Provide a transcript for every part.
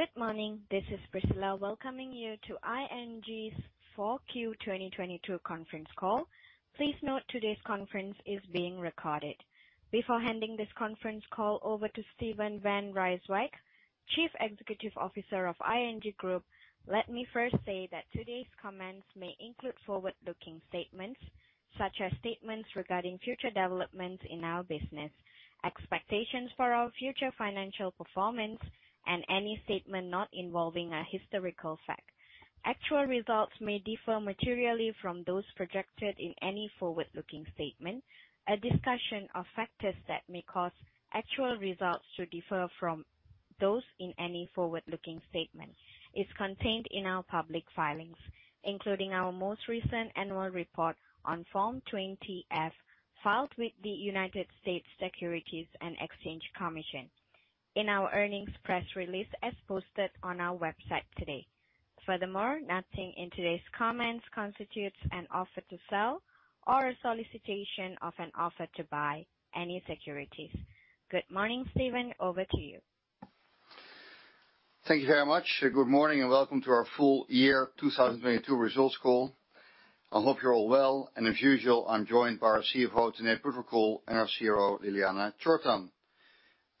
Good morning. This is Priscilla welcoming you to ING's 4Q 2022 Conference Call. Please note today's conference is being recorded. Before handing this conference call over to Steven van Rijswijk, Chief Executive Officer of ING Group, let me first say that today's comments may include forward-looking statements such as statements regarding future developments in our business, expectations for our future financial performance, and any statement not involving a historical fact. Actual results may differ materially from those projected in any forward-looking statement. A discussion of factors that may cause actual results to differ from those in any forward-looking statement is contained in our public filings, including our most recent annual report on Form 20-F, filed with the United States Securities and Exchange Commission in our earnings press release as posted on our website today. Nothing in today's comments constitutes an offer to sell or a solicitation of an offer to buy any securities. Good morning, Steven. Over to you. Thank you very much. Good morning and welcome to our full year 2022 results call. I hope you're all well. As usual, I'm joined by our CFO, Tanate Phutrakul, and our CRO, Ljiljana Čortan.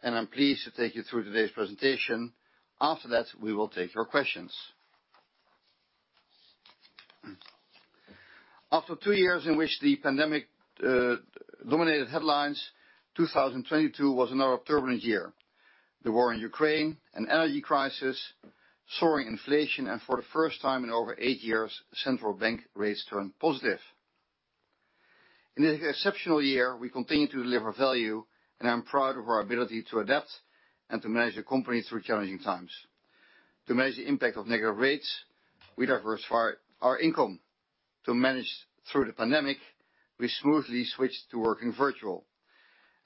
I'm pleased to take you through today's presentation. After that, we will take your questions. After two years in which the pandemic dominated headlines, 2022 was another turbulent year. The war in Ukraine, an energy crisis, soaring inflation, for the first time in over eight years, central bank rates turned positive. In this exceptional year, we continued to deliver value. I'm proud of our ability to adapt and to manage the company through challenging times. To manage the impact of negative rates, we diversified our income. To manage through the pandemic, we smoothly switched to working virtual,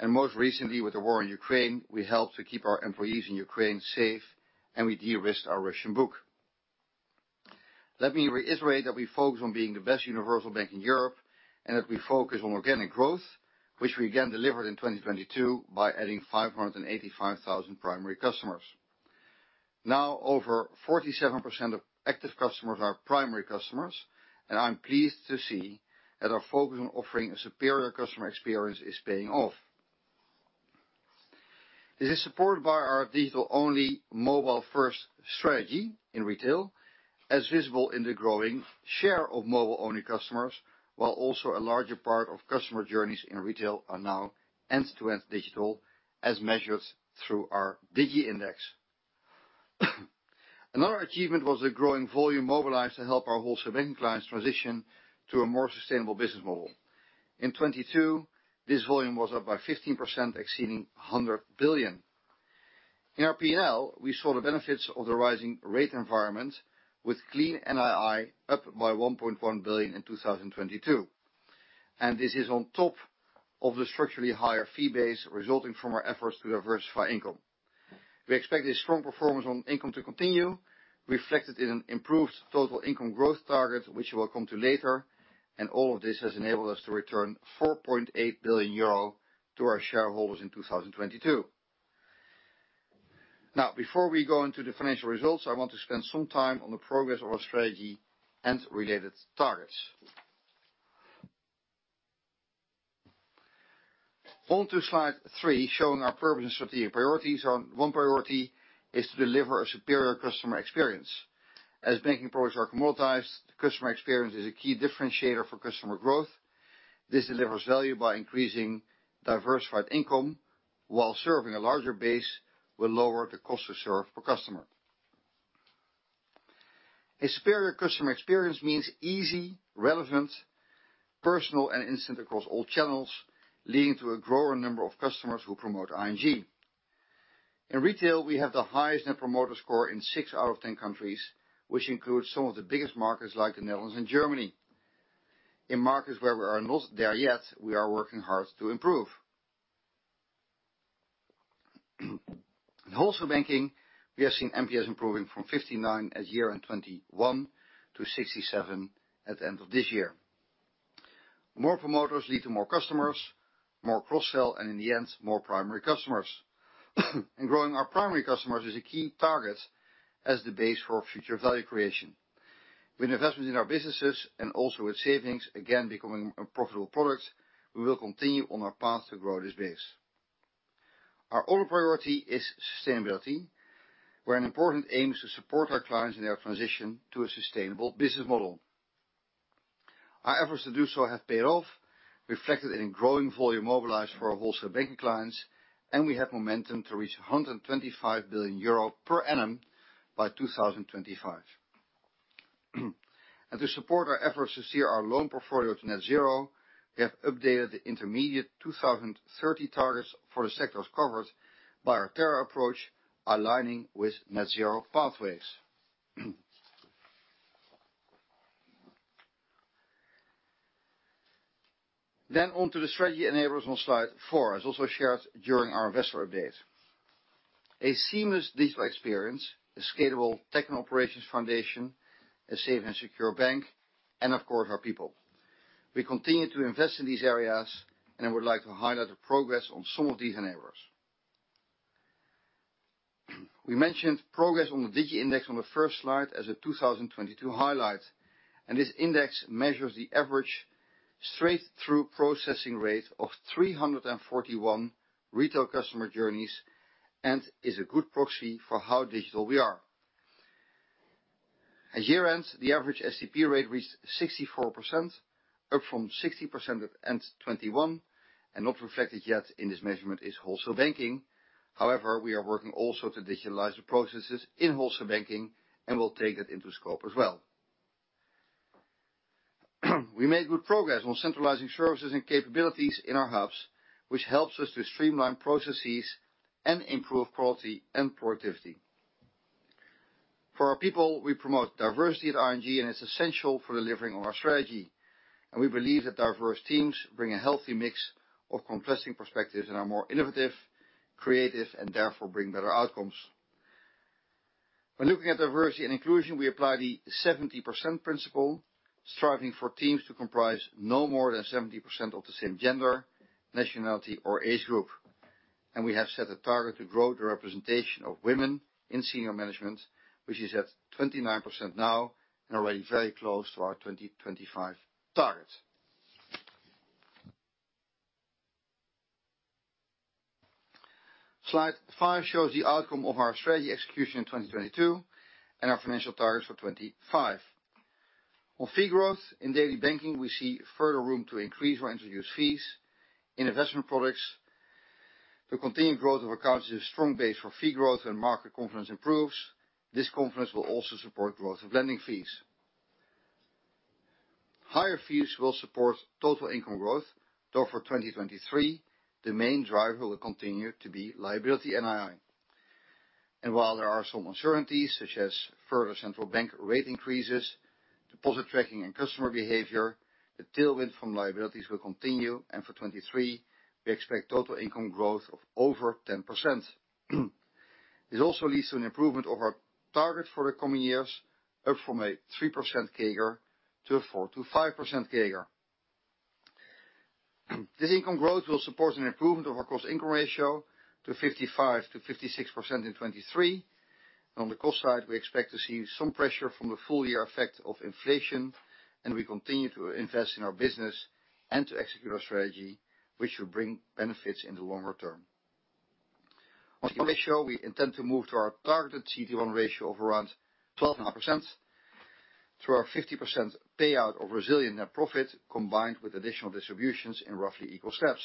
and most recently with the war in Ukraine, we helped to keep our employees in Ukraine safe and we de-risked our Russian book. Let me reiterate that we focus on being the best universal bank in Europe and that we focus on organic growth, which we again delivered in 2022 by adding 585,000 primary customers. Now, over 47% of active customers are primary customers and I'm pleased to see that our focus on offering a superior customer experience is paying off. This is supported by our digital-only mobile-first strategy in retail as visible in the growing share of mobile-only customers, while also a larger part of customer journeys in retail are now end-to-end digital as measured through our Digi Index. Another achievement was the growing volume mobilized to help our Wholesale Banking clients transition to a more sustainable business model. In 2022, this volume was up by 15% exceeding 100 billion. In our P&L, we saw the benefits of the rising rate environment with clean NII up by 1.1 billion in 2022. This is on top of the structurally higher fee base resulting from our efforts to diversify income. We expect this strong performance on income to continue, reflected in an improved total income growth target, which we'll come to later and all of this has enabled us to return 4.8 billion euro to our shareholders in 2022. Before we go into the financial results, I want to spend some time on the progress of our strategy and related targets. To slide 3, showing our purpose, strategy, and priorities. One priority is to deliver a superior customer experience. As banking products are commoditized, the customer experience is a key differentiator for customer growth. This delivers value by increasing diversified income while serving a larger base will lower the cost to serve per customer. A superior customer experience means easy, relevant, personal, and instant across all channels, leading to a growing number of customers who promote ING. In retail, we have the highest Net Promoter Score in 6 out of 10 countries, which includes some of the biggest markets like the Netherlands and Germany. In markets where we are not there yet, we are working hard to improve. In Wholesale Banking, we are seeing NPS improving from 59 at year-end 2021 to 67 at the end of this year. More promoters lead to more customers, more cross-sell and in the end, more primary customers. Growing our primary customers is a key target as the base for future value creation. With investment in our businesses and also with savings again becoming a profitable product, we will continue on our path to grow this base. Our other priority is sustainability, where an important aim is to support our clients in their transition to a sustainable business model. Our efforts to do so have paid off, reflected in a growing volume mobilized for our Wholesale Banking clients and we have momentum to reach 125 billion euro per annum by 2025. To support our efforts to steer our loan portfolio to net-zero, we have updated the intermediate 2030 targets for the sectors covered by our Terra approach, aligning with net-zero pathways. On to the strategy enablers on slide 4, as also shared during our investor update. A seamless digital experience, a scalable tech and operations foundation, a safe and secure bank, and of course our people. We continue to invest in these areas, and I would like to highlight the progress on some of these areas. We mentioned progress on the Digi Index on the first slide as a 2022 highlight, this index measures the average straight-through processing rate of 341 retail customer journeys and is a good proxy for how digital we are. At year-end, the average SCP rate reached 64%, up from 60% at end 2021. Not reflected yet in this measurement is Wholesale Banking. However, we are working also to digitalize the processes in Wholesale Banking, and we'll take that into scope as well. We made good progress on centralizing services and capabilities in our hubs, which helps us to streamline processes and improve quality and productivity. For our people, we promote diversity at ING. It's essential for delivering on our strategy. We believe that diverse teams bring a healthy mix of contrasting perspectives and are more innovative, creative, and therefore bring better outcomes. When looking at diversity and inclusion, we apply the 70% principle, striving for teams to comprise no more than 70% of the same gender, nationality, or age group. We have set a target to grow the representation of women in senior management, which is at 29% now and already very close to our 2025 target. Slide 5 shows the outcome of our strategy execution in 2022 and our financial targets for 2025. On fee growth in daily banking, we see further room to increase or introduce fees. In investment products, the continued growth of accounts is a strong base for fee growth when market confidence improves. This confidence will also support growth of lending fees. Higher fees will support total income growth. For 2023, the main driver will continue to be liability NII. While there are some uncertainties, such as further central bank rate increases, deposit tracking and customer behavior, the tailwind from liabilities will continue, and for 2023, we expect total income growth of over 10%. This also leads to an improvement of our target for the coming years, up from a 3% CAGR to a 4%-5% CAGR. This income growth will support an improvement of our cost-income ratio to 55%-56% in 2023. On the cost side, we expect to see some pressure from the full-year effect of inflation and we continue to invest in our business and to execute our strategy, which will bring benefits in the longer term. On the ratio, we intend to move to our targeted CET1 ratio of around 12.5% through our 50% payout of resilient net profit, combined with additional distributions in roughly equal steps.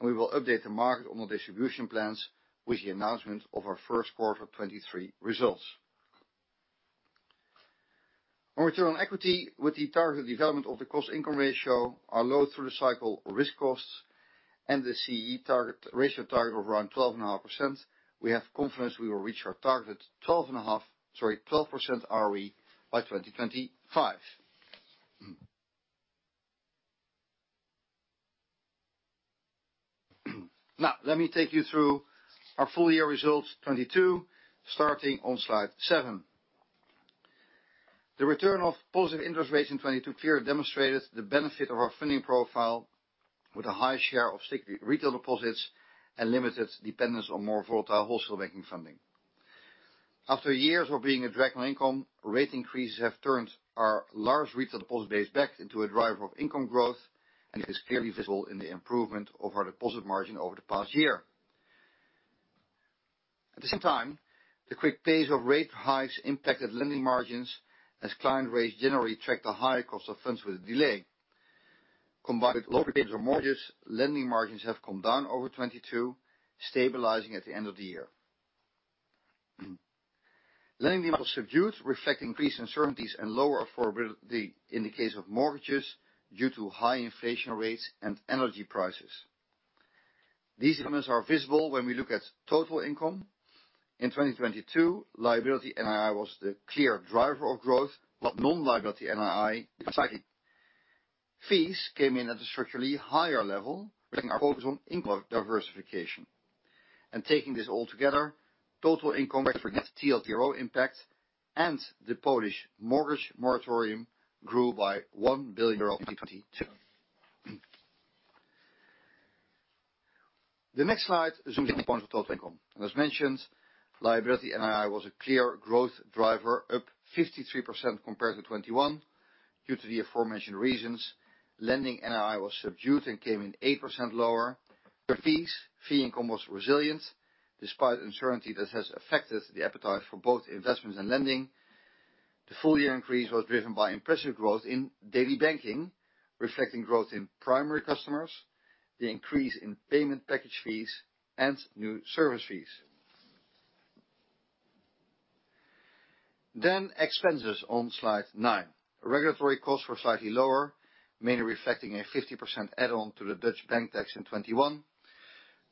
We will update the market on our distribution plans with the announcement of our 1st quarter 2023 results. On return on equity with the targeted development of the cost-income ratio, our low through the cycle risk costs and the ratio target of around twelve and a half percent, we have confidence we will reach our target 12% ROE by 2025. Let me take you through our full-year results 2022, starting on slide 7. The return of positive interest rates in 2022 clearly demonstrated the benefit of our funding profile with a high share of retail deposits and limited dependence on more volatile Wholesale Banking funding. After years of being a drag on income, rate increases have turned our large retail deposit base back into a driver of income growth, and it is clearly visible in the improvement of our deposit margin over the past year. At the same time, the quick pace of rate hikes impacted lending margins as client rates generally tracked a higher cost of funds with a delay. Combined with lower rates on mortgages, lending margins have come down over 2022, stabilizing at the end of the year. Lending demand was subdued, reflecting increased uncertainties and lower affordability in the case of mortgages due to high inflation rates and energy prices. These elements are visible when we look at total income. In 2022, liability NII was the clear driver of growth, while non-liability NII declined. Fees came in at a structurally higher level, reflecting our focus on income diversification. Taking this all together, total income except for net TLTRO impact and the Polish mortgage moratorium grew by 1 billion euros in 2022. The next slide zooms in on total income. As mentioned, liability NII was a clear growth driver, up 53% compared to 2021 due to the aforementioned reasons. Lending NII was subdued and came in 8% lower. Fees, fee income was resilient despite uncertainty that has affected the appetite for both investments and lending. The full-year increase was driven by impressive growth in daily banking, reflecting growth in primary customers, the increase in payment package fees, and new service fees. Expenses on slide 9. Regulatory costs were slightly lower, mainly reflecting a 50% add-on to the Dutch bank tax in 2021.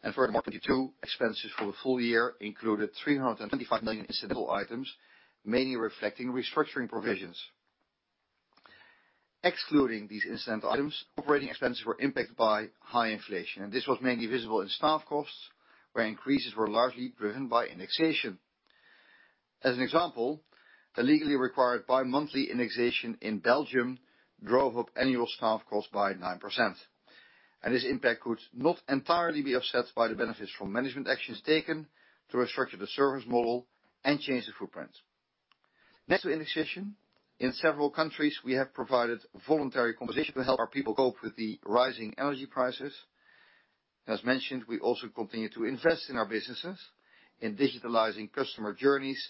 Furthermore, 2022 expenses for the full year included 325 million incidental items, mainly reflecting restructuring provisions. Excluding these incident items, operating expenses were impacted by high inflation, and this was mainly visible in staff costs, where increases were largely driven by indexation. As an example, the legally required bimonthly indexation in Belgium drove up annual staff costs by 9%, and this impact could not entirely be offset by the benefits from management actions taken through a structured service model and change the footprint. Next to indexation, in several countries, we have provided voluntary compensation to help our people cope with the rising energy prices. As mentioned, we also continue to invest in our businesses, in digitalizing customer journeys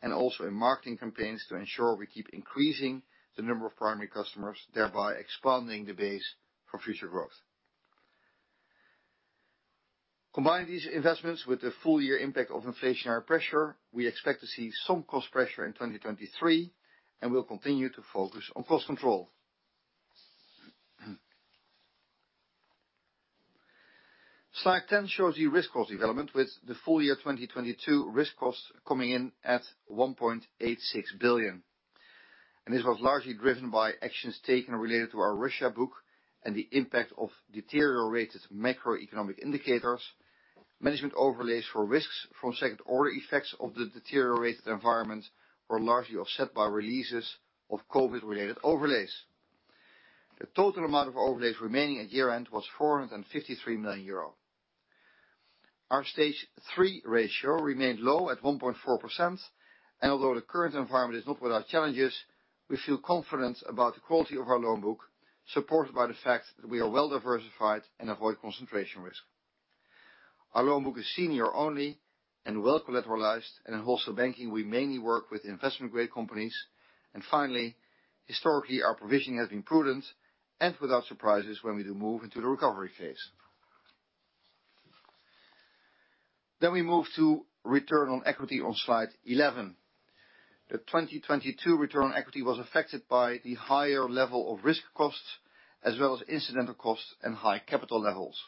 and also in marketing campaigns to ensure we keep increasing the number of primary customers, thereby expanding the base for future growth. Combining these investments with the full year impact of inflationary pressure, we expect to see some cost pressure in 2023. We'll continue to focus on cost control. Slide 10 shows you risk cost development with the full year 2022 risk cost coming in at 1.86 billion. This was largely driven by actions taken related to our Russia book and the impact of deteriorated macroeconomic indicators. Management overlays for risks from second-order effects of the deteriorated environment were largely offset by releases of COVID-related overlays. The total amount of overlays remaining at year-end was 453 million euro. Our Stage 3 ratio remained low at 1.4%. Although the current environment is not without challenges, we feel confident about the quality of our loan book, supported by the fact that we are well diversified and avoid concentration risk. Our loan book is senior only and well collateralized. In Wholesale Banking, we mainly work with investment-grade companies. Finally, historically, our provisioning has been prudent and without surprises when we do move into the recovery phase. We move to return on equity on slide 11. The 2022 return on equity was affected by the higher level of risk costs as well as incidental costs and high capital levels.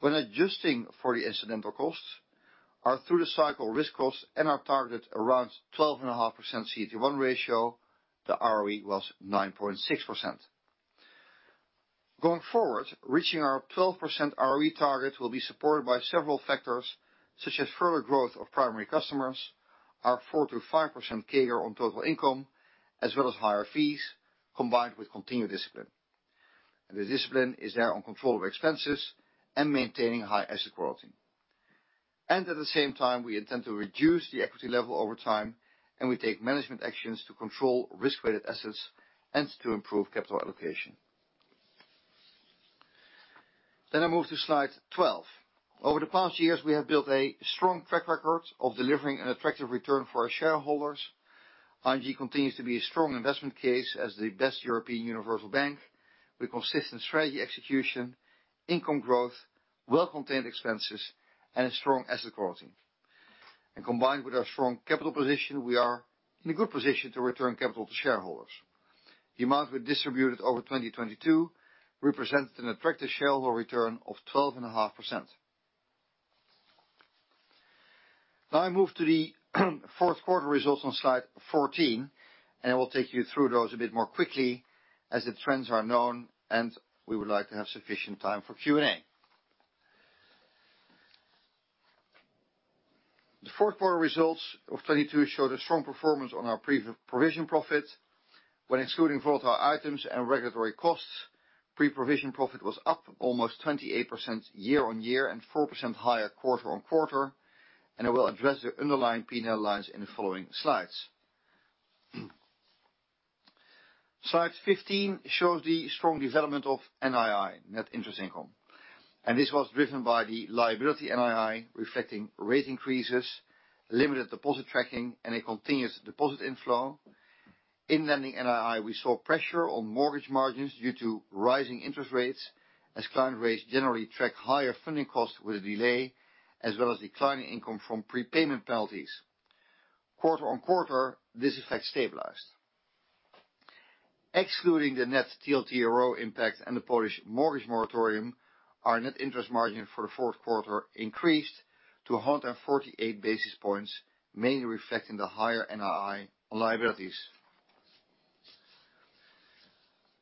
When adjusting for the incidental costs, our through-the-cycle risk costs and our target around 12.5% CET1 ratio, the ROE was 9.6%. Going forward, reaching our 12% ROE target will be supported by several factors, such as further growth of primary customers, our 4%-5% CAGR on total income, as well as higher fees combined with continued discipline. The discipline is there on control of expenses and maintaining high asset quality. At the same time, we intend to reduce the equity level over time, and we take management actions to control risk-weighted assets and to improve capital allocation. I move to slide 12. Over the past years, we have built a strong track record of delivering an attractive return for our shareholders. ING continues to be a strong investment case as the best European universal bank with consistent strategy execution, income growth, well-contained expenses, and a strong asset quality. Combined with our strong capital position, we are in a good position to return capital to shareholders. The amount we distributed over 2022 represents an attractive shareholder return of 12.5%. Now I move to the fourth quarter results on slide 14, and I will take you through those a bit more quickly as the trends are known, and we would like to have sufficient time for Q&A. The fourth quarter results of 2022 show the strong performance on our pre-provision profit. When excluding volatile items and regulatory costs, pre-provision profit was up almost 28% year-on-year and 4% higher quarter-on-quarter, and I will address the underlying P&L lines in the following slides. Slide 15 shows the strong development of NII, net interest income. This was driven by the liability NII reflecting rate increases, limited deposit tracking, and a continuous deposit inflow. In lending NII, we saw pressure on mortgage margins due to rising interest rates as client rates generally track higher funding costs with a delay, as well as declining income from prepayment penalties. Quarter-on-quarter, this effect stabilized. Excluding the net TLTRO impact and the Polish mortgage moratorium, our net interest margin for the fourth quarter increased to 148 basis points, mainly reflecting the higher NII on liabilities.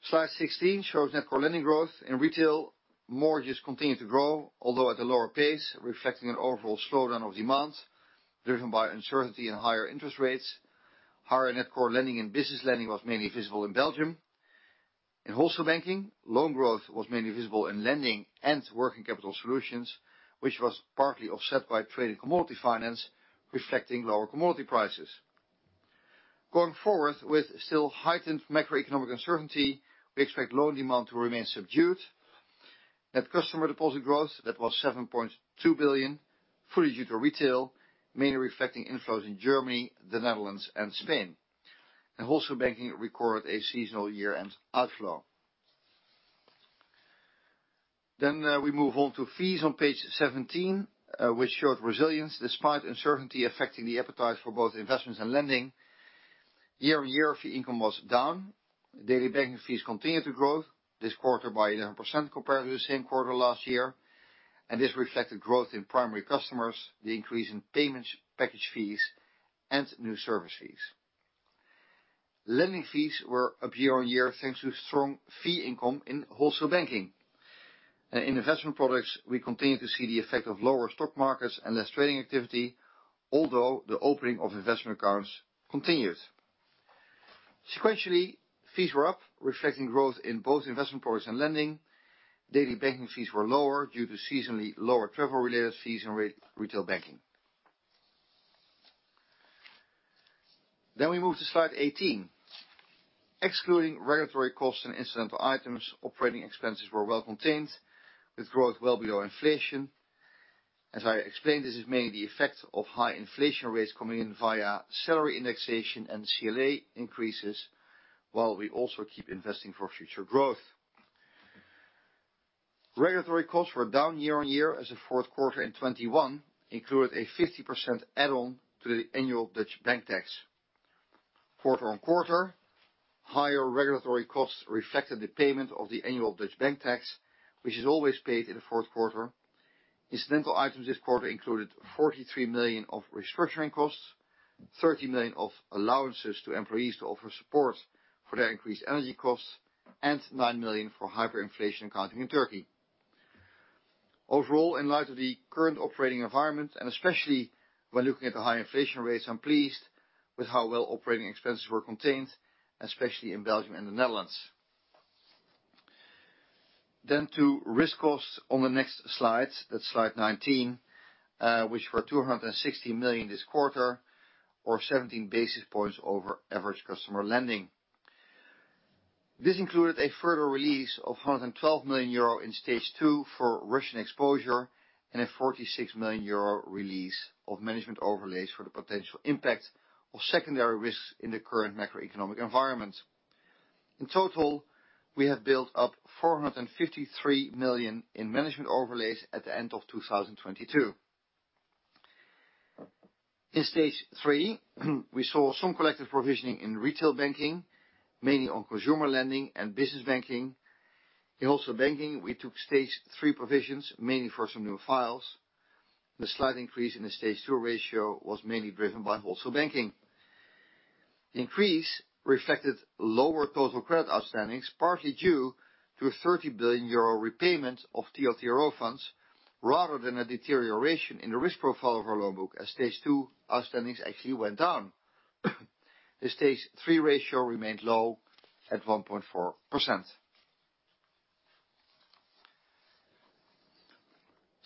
Slide 16 shows net core lending growth. In retail, mortgages continued to grow, although at a lower pace, reflecting an overall slowdown of demand, driven by uncertainty and higher interest rates. Higher net core lending and business lending was mainly visible in Belgium. In Wholesale Banking, loan growth was mainly visible in lending and working capital solutions, which was partly offset by trade and commodity finance, reflecting lower commodity prices. Going forward with still heightened macroeconomic uncertainty, we expect loan demand to remain subdued. Net customer deposit growth, that was 7.2 billion, fully due to retail, mainly reflecting inflows in Germany, the Netherlands, and Spain. Wholesale Banking recorded a seasonal year-end outflow. We move on to fees on page 17, which showed resilience despite uncertainty affecting the appetite for both investments and lending. Year-on-year, fee income was down. Daily banking fees continued to grow this quarter by 11% compared to the same quarter last year. This reflected growth in primary customers, the increase in payments package fees, and new service fees. Lending fees were up year-on-year, thanks to strong fee income in Wholesale Banking. In investment products, we continue to see the effect of lower stock markets and less trading activity, although the opening of investment accounts continues. Sequentially, fees were up, reflecting growth in both investment products and lending. Daily banking fees were lower due to seasonally lower travel-related fees in re-retail banking. We move to slide 18. Excluding regulatory costs and incidental items, operating expenses were well contained with growth well below inflation. As I explained, this is mainly the effect of high inflation rates coming in via salary indexation and CLA increases, while we also keep investing for future growth. Regulatory costs were down year-on-year as the fourth quarter in 2021 included a 50% add-on to the annual Dutch bank tax. Quarter-on-quarter, higher regulatory costs reflected the payment of the annual Dutch bank tax, which is always paid in the fourth quarter. Incidental items this quarter included 43 million of restructuring costs, 30 million of allowances to employees to offer support for their increased energy costs, and 9 million for hyperinflation accounting in Turkey. In light of the current operating environment, and especially when looking at the high inflation rates, I'm pleased with how well operating expenses were contained, especially in Belgium and the Netherlands. To risk costs on the next slide, that's slide 19, which were 260 million this quarter, or 17 basis points over average customer lending. This included a further release of 112 million euro in Stage 2 for Russian exposure and a 46 million euro release of management overlays for the potential impact of secondary risks in the current macroeconomic environment. In total, we have built up 453 million in management overlays at the end of 2022. In Stage 3, we saw some collective provisioning in retail banking, mainly on consumer lending and business banking. In Wholesale Banking, we took Stage 3 provisions, mainly for some new files. The slight increase in the Stage 2 ratio was mainly driven by Wholesale Banking. Increase reflected lower total credit outstandings, partly due to a 30 billion euro repayment of TLTRO funds, rather than a deterioration in the risk profile of our loan book, as Stage 2 outstandings actually went down. The Stage 3 ratio remained low at 1.4%.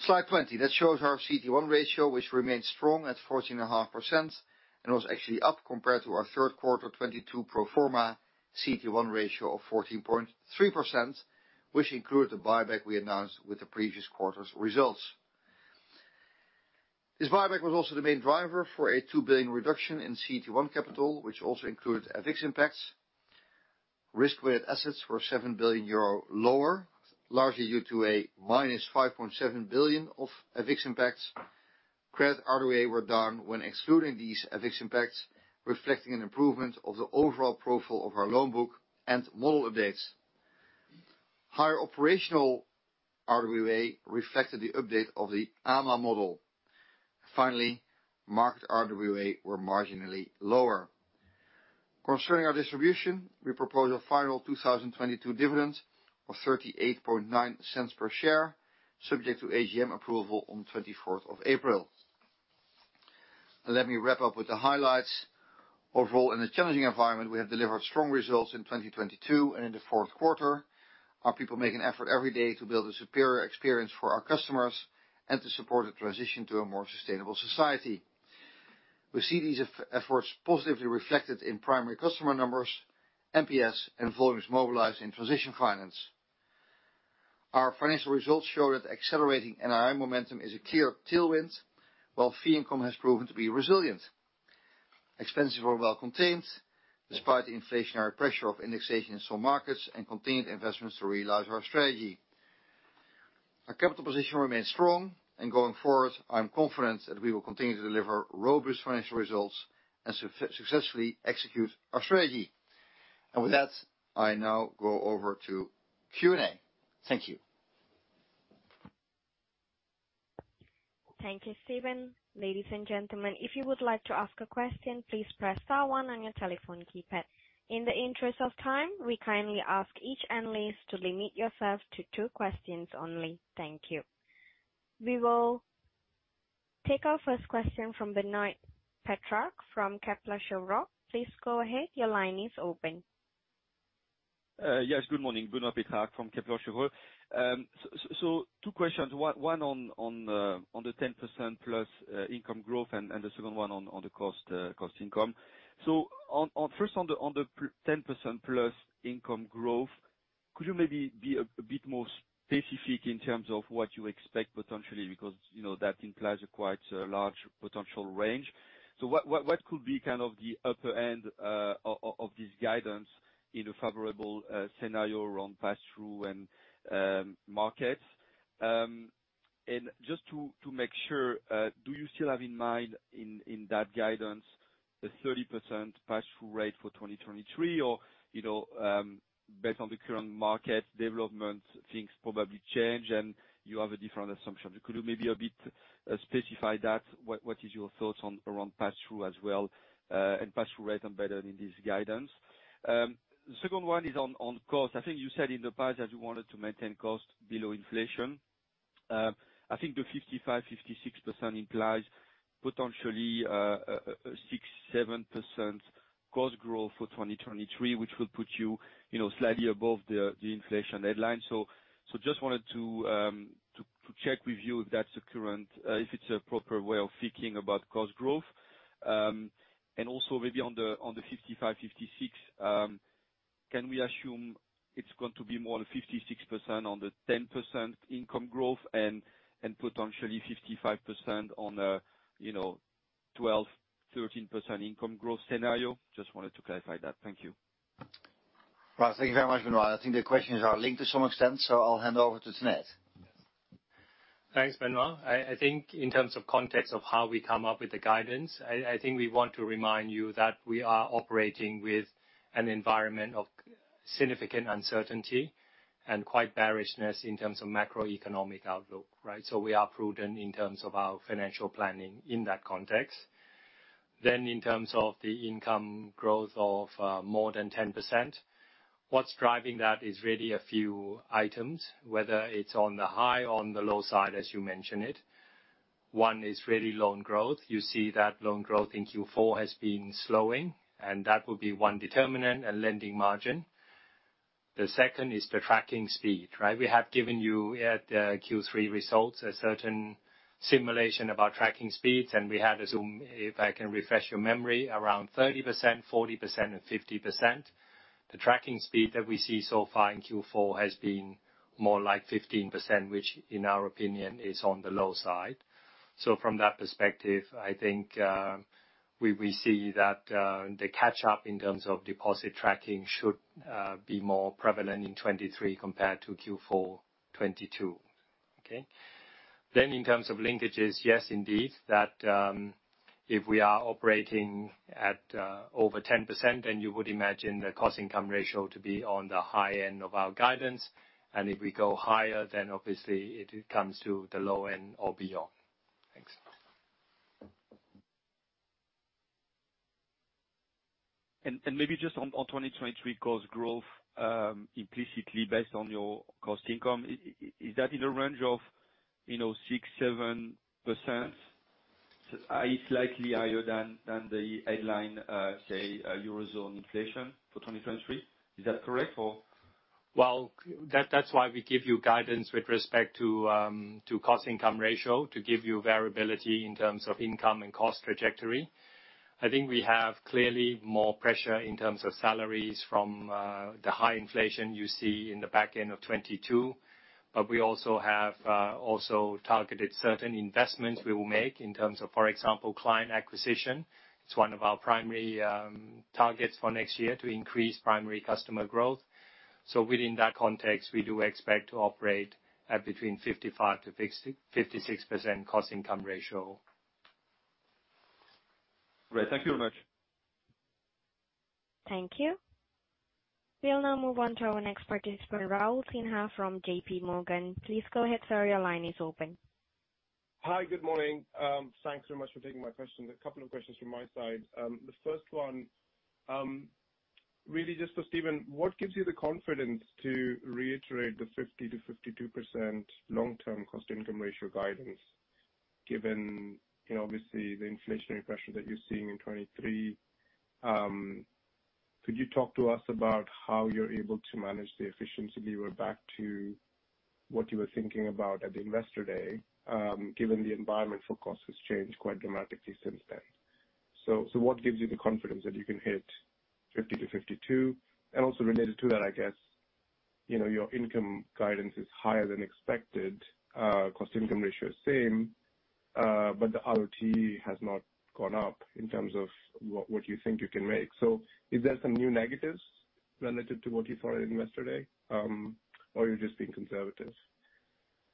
Slide 20, that shows our CET1 ratio, which remains strong at 14.5% and was actually up compared to our 3rd quarter 2022 pro forma CET1 ratio of 14.3%, which included the buyback we announced with the previous quarter's results. This buyback was also the main driver for a 2 billion reduction in CET1 capital, which also included FX impacts. Risk-weighted assets were 7 billion euro lower, largely due to a -5.7 billion of FX impacts. Credit RWA were down when excluding these FX impacts, reflecting an improvement of the overall profile of our loan book and model updates. Higher operational RWA reflected the update of the AMA model. Finally, market RWA were marginally lower. Concerning our distribution, we propose a final 2022 dividend of 0.389 per share, subject to AGM approval on April 24th. Let me wrap up with the highlights. Overall, in a challenging environment, we have delivered strong results in 2022 and in the fourth quarter. Our people make an effort every day to build a superior experience for our customers and to support a transition to a more sustainable society. We see these efforts positively reflected in primary customer numbers, NPS, and volumes mobilized in transition finance. Our financial results show that accelerating NII momentum is a clear tailwind, while fee income has proven to be resilient. Expenses were well contained, despite the inflationary pressure of indexation in some markets and continued investments to realize our strategy. Our capital position remains strong, and going forward, I'm confident that we will continue to deliver robust financial results and successfully execute our strategy. With that, I now go over to Q&A. Thank you. Thank you, Steven. Ladies and gentlemen, if you would like to ask a question, please press star one on your telephone keypad. In the interest of time, we kindly ask each analyst to limit yourself to two questions only. Thank you. We will take our first question from Benoît Pétrarque from Kepler Cheuvreux. Please go ahead. Your line is open. Yes, good morning. Benoît Pétrarque from Kepler Cheuvreux. So two questions. One on on the 10% plus income growth and the second one on the cost income. First on the 10% plus income growth, could you maybe be a bit more specific in terms of what you expect potentially? Because, you know, that implies a quite large potential range. What could be kind of the upper end of this guidance in a favorable scenario around pass-through and markets? And just to make sure, do you still have in mind in that guidance the 30% pass-through rate for 2023? Or, you know, based on the current market development, things probably change and you have a different assumption. Could you maybe a bit specify that? What is your thoughts on, around pass-through as well, and pass-through rate embedded in this guidance? The second one is on cost. I think you said in the past that you wanted to maintain cost below inflation. I think the 55%-56% implies potentially 6%-7% cost growth for 2023, which will put you know, slightly above the inflation headline. Just wanted to check with you if that's the current... if it's a proper way of thinking about cost growth. Also maybe on the 55-56, can we assume it's going to be more than 56% on the 10% income growth and potentially 55% on a, you know, 12%-13% income growth scenario? Just wanted to clarify that. Thank you. Right. Thank you very much, Benoît. I think the questions are linked to some extent, so I'll hand over to Tanate. Thanks, Benoît. I think in terms of context of how we come up with the guidance, I think we want to remind you that we are operating with an environment of significant uncertainty and quite bearishness in terms of macroeconomic outlook, right? We are prudent in terms of our financial planning in that context. In terms of the income growth of more than 10%, what's driving that is really a few items, whether it's on the high or on the low side, as you mention it. One is really loan growth. You see that loan growth in Q4 has been slowing, that would be one determinant, a lending margin. The second is the tracking speed, right? We have given you at the Q3 results a certain simulation about tracking speeds, and we had assumed, if I can refresh your memory, around 30%, 40%, and 50%. The tracking speed that we see so far in Q4 has been more like 15%, which in our opinion is on the low side. From that perspective, I think, we see that the catch up in terms of deposit tracking should be more prevalent in 2023 compared to Q4 2022. Okay? In terms of linkages, yes, indeed, that if we are operating at over 10%, then you would imagine the cost income ratio to be on the high end of our guidance. If we go higher, obviously it comes to the low end or beyond. Thanks. Maybe just on 2023 cost growth, implicitly based on your cost income, is that in a range of, you know, 6%, 7%? It's slightly higher than the headline, say Eurozone inflation for 2023. Is that correct or? Well, that's why we give you guidance with respect to to cost income ratio, to give you variability in terms of income and cost trajectory. I think we have clearly more pressure in terms of salaries from the high inflation you see in the back end of 2022. We also have also targeted certain investments we will make in terms of, for example, client acquisition. It's one of our primary targets for next year, to increase primary customer growth. Within that context, we do expect to operate at between 55% to 56% cost income ratio. Great. Thank you very much. Thank you. We'll now move on to our next participant, Raul Sinha from JPMorgan. Please go ahead, sir. Your line is open. Hi. Good morning. Thanks very much for taking my questions. A couple of questions from my side. The first one, really just for Steven, what gives you the confidence to reiterate the 50%-52% long-term cost-income ratio guidance given, you know, obviously the inflationary pressure that you're seeing in 2023? Could you talk to us about how you're able to manage the efficiency view or back to what you were thinking about at the Investor Day, given the environment for costs has changed quite dramatically since then? What gives you the confidence that you can hit 50%-52%? Also related to that, I guess, you know, your income guidance is higher than expected. Cost-income ratio is same, but the ROT has not gone up in terms of what you think you can make. Is there some new negatives related to what you thought in Investor Day, or you're just being conservative?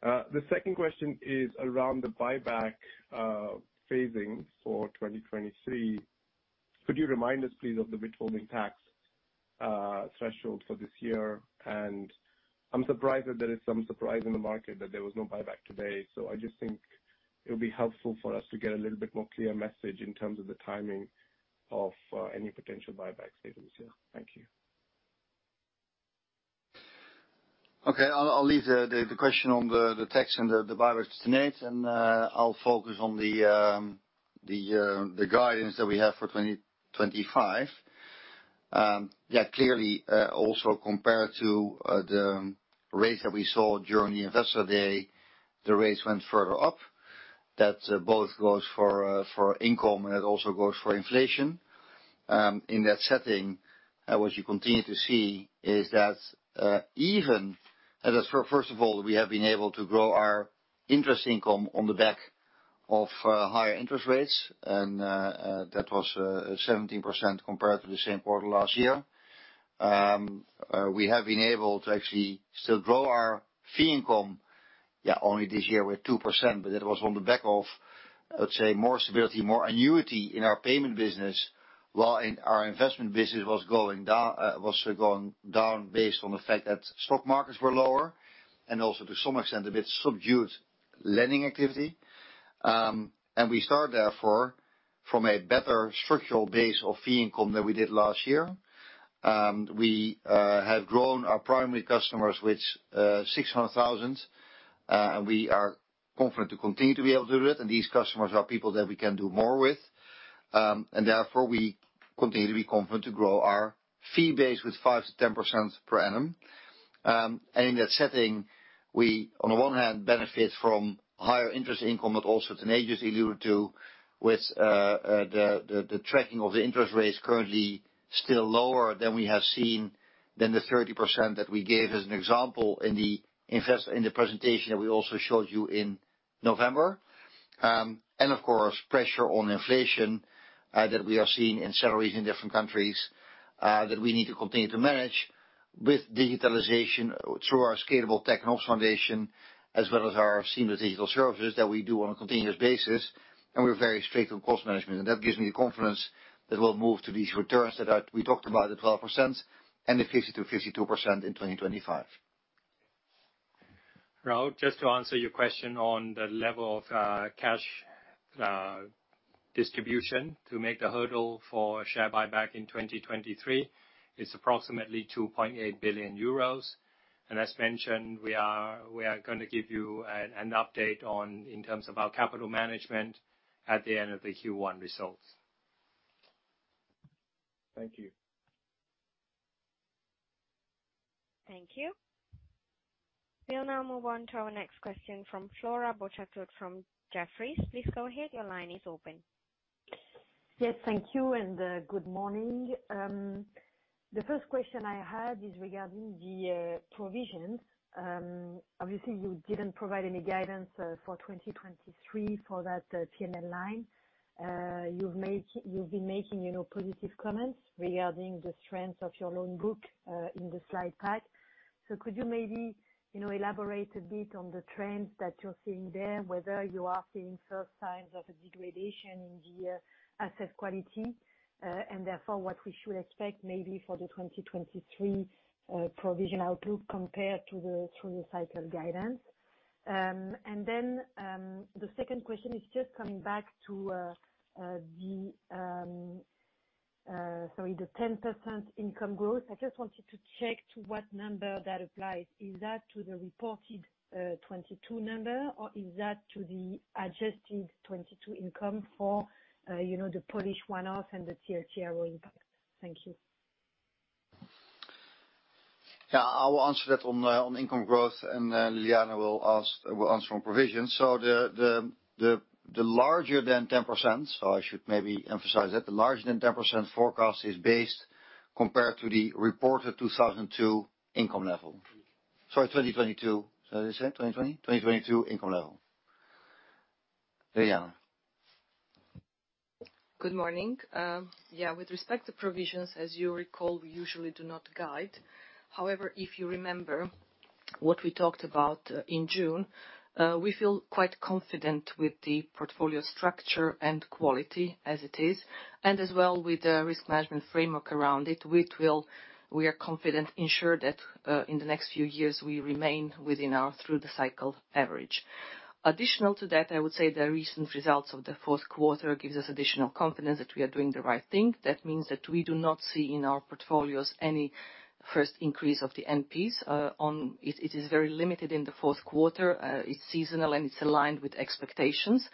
The second question is around the buyback phasing for 2023. Could you remind us, please, of the withholding tax threshold for this year? I'm surprised that there is some surprise in the market that there was no buyback today. I just think it would be helpful for us to get a little bit more clear message in terms of the timing of any potential buyback savings here. Thank you. Okay. I'll leave the question on the tax and the buybacks to Tanate, I'll focus on the guidance that we have for 2025. Clearly, also compared to the rates that we saw during the Investor Day, the rates went further up. That both goes for income, and it also goes for inflation. In that setting, what you continue to see is that First of all, we have been able to grow our interest income on the back of higher interest rates and that was 17% compared to the same quarter last year. We have been able to actually still grow our fee income. Yeah, only this year we're at 2%, but it was on the back of, let's say, more stability, more annuity in our payment business, while in our investment business was going down based on the fact that stock markets were lower and also to some extent, a bit subdued lending activity. We start therefore from a better structural base of fee income than we did last year. We have grown our primary customers, with 600,000. We are confident to continue to be able to do it. These customers are people that we can do more with. We continue to be confident to grow our fee base with 5%-10% per annum. In that setting, we on the one hand benefit from higher interest income, but also tonnages alluded to, with the tracking of the interest rates currently still lower than we have seen than the 30% that we gave as an example in the presentation that we also showed you in November. Of course, pressure on inflation that we are seeing in salaries in different countries that we need to continue to manage with digitalization through our scalable tech and ops foundation, as well as our seamless digital services that we do on a continuous basis. We're very strict on cost management, and that gives me the confidence that we'll move to these returns that we talked about, the 12% and the 50%-52% in 2025. Raul, just to answer your question on the level of cash distribution to make the hurdle for a share buyback in 2023, it's approximately 2.8 billion euros. As mentioned, we are gonna give you an update on in terms of our capital management at the end of the Q1 results. Thank you. Thank you. We'll now move on to our next question from Flora Bocahut from Jefferies. Please go ahead. Your line is open. Yes, thank you. Good morning. The first question I had is regarding the provisions. Obviously, you didn't provide any guidance for 2023 for that P&L line. You've been making, you know, positive comments regarding the strength of your loan book in the slide pack. Could you maybe, you know, elaborate a bit on the trends that you're seeing there, whether you are seeing first signs of a degradation in the asset quality, and therefore what we should expect maybe for the 2023 provision outlook compared to the through the cycle guidance? The second question is just coming back to the, sorry, the 10% income growth. I just wanted to check to what number that applies. Is that to the reported, 22 number, or is that to the adjusted 22 income for, you know, the Polish one-off and the TLTRO impact? Thank you. Yeah, I will answer that on the, on income growth and Ljiljana will answer on provisions. The larger than 10% forecast is based compared to the reported 2002 income level. Sorry, 2022. Did I say 2020? 2022 income level. Ljiljana. Good morning. With respect to provisions, as you recall, we usually do not guide. However, if you remember what we talked about in June, we feel quite confident with the portfolio structure and quality as it is, and as well with the risk management framework around it, which will, we are confident, ensure that in the next few years, we remain within our through the cycle average. Additional to that, I would say the recent results of the fourth quarter gives us additional confidence that we are doing the right thing. That means that we do not see in our portfolios any first increase of the NPs. It is very limited in the fourth quarter. It's seasonal, and it's aligned with expectations.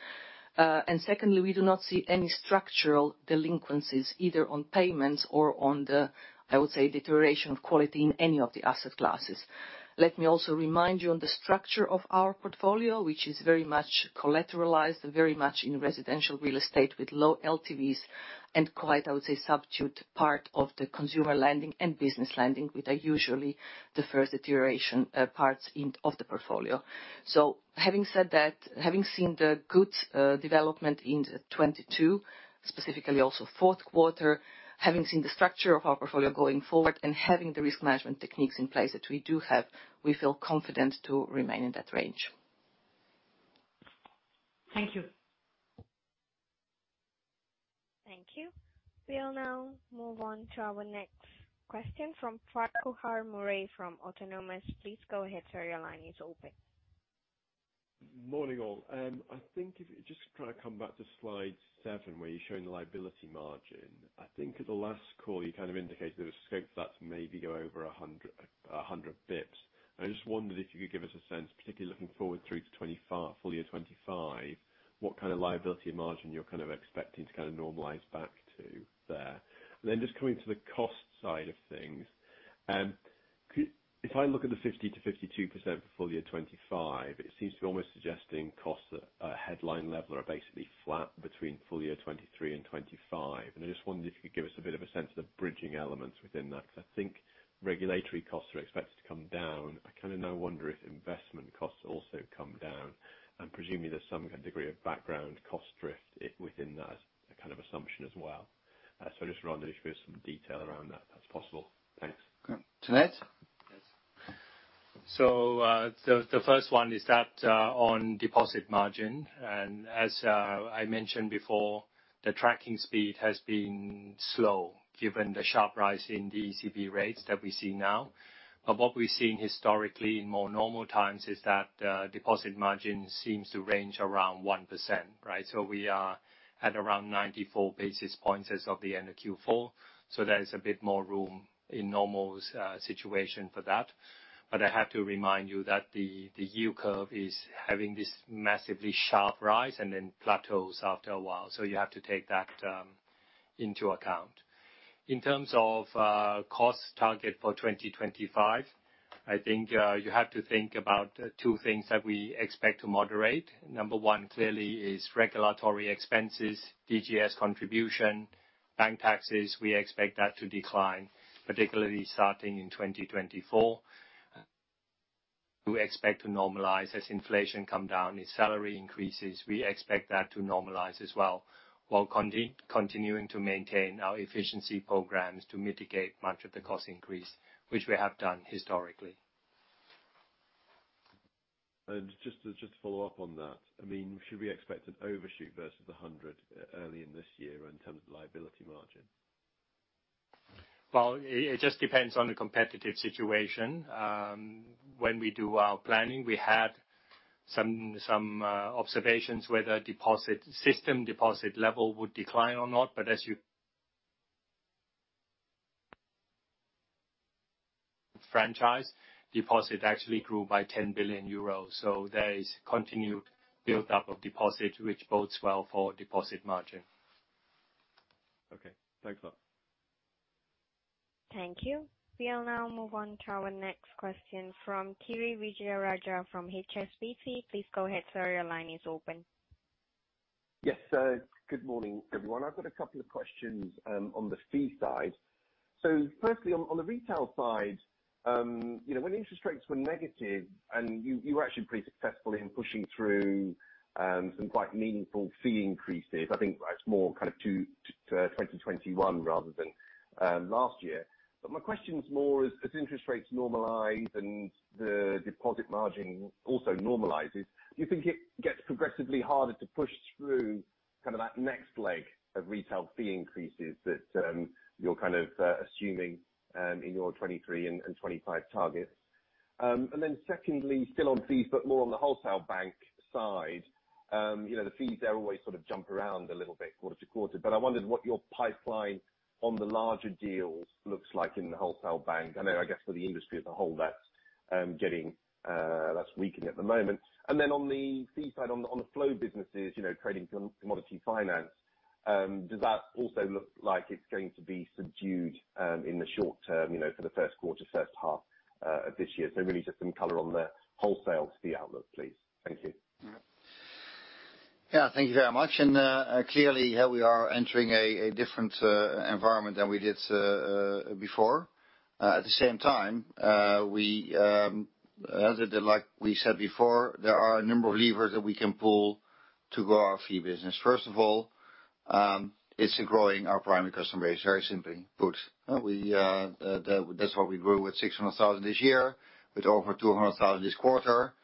Secondly, we do not see any structural delinquencies either on payments or on the, I would say, deterioration of quality in any of the asset classes. Let me also remind you on the structure of our portfolio, which is very much collateralized, very much in residential real estate with low LTVs and quite, I would say, substitute part of the consumer lending and business lending, which are usually the first deterioration parts of the portfolio. Having said that, having seen the good development in 2022, specifically also fourth quarter, having seen the structure of our portfolio going forward and having the risk management techniques in place that we do have, we feel confident to remain in that range. Thank you. Thank you. We'll now move on to our next question from Farquhar Murray from Autonomous. Please go ahead, sir. Your line is open. Morning, all. I think if you just kinda come back to slide 7, where you're showing the liability margin. I think at the last call, you kind of indicated there was scope for that to maybe go over 100 basis points. I just wondered if you could give us a sense, particularly looking forward through to 2025, full year 2025, what kind of liability margin you're kind of expecting to kind of normalize back to there. Just coming to the cost side of things, if I look at the 50%-52% for full year 2025, it seems to be almost suggesting costs at a headline level are basically flat between full year 2023 and 2025. I just wondered if you could give us a bit of a sense of the bridging elements within that, 'cause I think regulatory costs are expected to come down. I kinda now wonder if investment costs also come down. Presumably there's some degree of background cost drift, within that kind of assumption as well. Just rounding, if we have some detail around that's possible. Thanks. Okay. Tanate? Yes. The first one is that on deposit margin. As I mentioned before, the tracking speed has been slow given the sharp rise in the ECB rates that we see now. What we're seeing historically in more normal times is that deposit margin seems to range around 1%, right? We are at around 94 basis points as of the end of Q4. There is a bit more room in normal situation for that. I have to remind you that the U curve is having this massively sharp rise and then plateaus after a while. You have to take that into account. In terms of cost target for 2025, I think you have to think about two things that we expect to moderate. Number one, clearly is regulatory expenses, DGS contribution, bank taxes. We expect that to decline, particularly starting in 2024. We expect to normalize as inflation come down, the salary increases. We expect that to normalize as well, while continuing to maintain our efficiency programs to mitigate much of the cost increase, which we have done historically. Just to follow up on that, I mean, should we expect an overshoot versus the 100 e-early in this year in terms of liability margin? Well, it just depends on the competitive situation. When we do our planning, we had some observations whether deposit system, deposit level would decline or not. As you franchise, deposit actually grew by 10 billion euros. There is continued build up of deposit, which bodes well for deposit margin. Okay. Thanks a lot. Thank you. We'll now move on to our next question from Kiri Vijayarajah from HSBC. Please go ahead, sir. Your line is open. Good morning, everyone. I've got a couple of questions on the fee side. Firstly on the retail side, you know, when interest rates were negative and you were actually pretty successful in pushing through some quite meaningful fee increases. I think it's more kind of to 2021 rather than last year. My question is more as interest rates normalize and the deposit margin also normalizes, do you think it gets progressively harder to push through kind of that next leg of retail fee increases that you're kind of assuming in your 23 and 25 targets? Secondly, still on fees, but more on the Wholesale Banking side, you know, the fees there always sort of jump around a little bit quarter to quarter. I wondered what your pipeline on the larger deals looks like in the wholesale bank. I know, I guess for the industry as a whole, that's getting less weakening at the moment. On the fee side, on the, on the flow businesses, you know, trading commodity finance, does that also look like it's going to be subdued in the short term, you know, for the first quarter, first half of this year? Really just some color on the wholesale fee outlook, please. Thank you. Yeah. Yeah. Thank you very much. Clearly, yeah, we are entering a different environment than we did before. At the same time, we, like we said before, there are a number of levers that we can pull to grow our fee business. First of all, it's growing our primary customer base, very simply put. We, that's why we grew with 600,000 this year, with over 200,000 this quarter.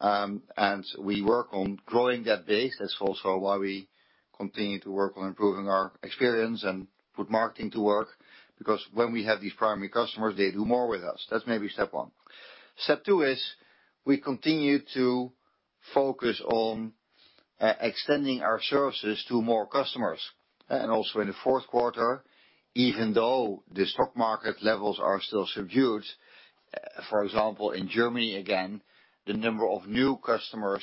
We work on growing that base. That's also why we continue to work on improving our experience and put marketing to work, because when we have these primary customers, they do more with us. That's maybe step one. Step two is we continue to focus on e-extending our services to more customers. Also in the fourth quarter, even though the stock market levels are still subdued, for example, in Germany, again, the number of new customers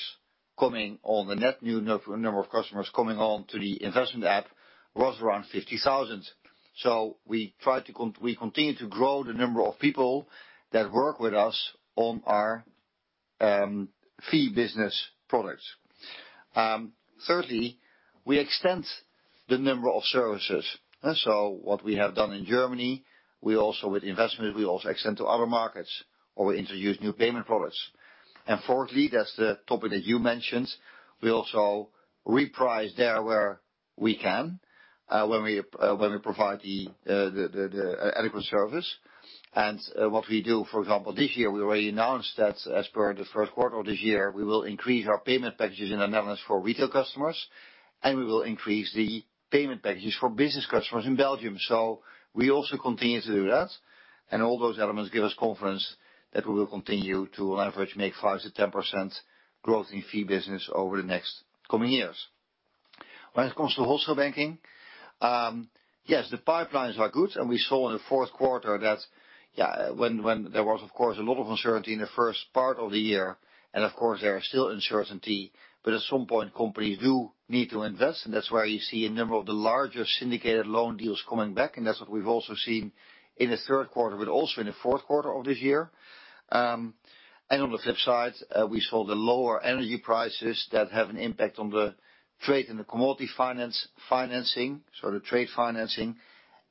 coming on, the net new number of customers coming on to the investment app was around 50,000. We continue to grow the number of people that work with us on our fee business products. Thirdly, we extend the number of services. What we have done in Germany, we also, with investment, we also extend to other markets or we introduce new payment products. Fourthly, that's the topic that you mentioned, we also reprice there where we can, when we, when we provide the adequate service. What we do, for example, this year, we already announced that as per the first quarter of this year, we will increase our payment packages in the Netherlands for retail customers, and we will increase the payment packages for business customers in Belgium. We also continue to do that, and all those elements give us confidence that we will continue to on average, make 5%-10% growth in fee business over the next coming years. When it comes to Wholesale Banking, yes, the pipelines are good. We saw in the fourth quarter that when there was of course, a lot of uncertainty in the first part of the year. Of course, there are still uncertainty. At some point, companies do need to invest. That's where you see a number of the larger syndicated loan deals coming back. That's what we've also seen in the third quarter, but also in the fourth quarter of this year. On the flip side, we saw the lower energy prices that have an impact on the trade and the commodity finance, so the trade financing.